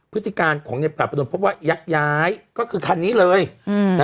พฤติการของในปราบประดนพบว่ายักย้ายก็คือคันนี้เลยอืม